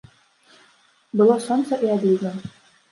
Было сонца і адліга.